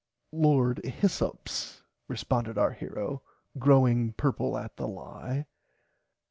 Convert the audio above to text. Lord Hyssops responded our hero growing purple at the lie.